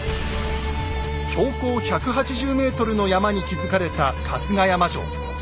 標高１８０ｍの山に築かれた春日山城。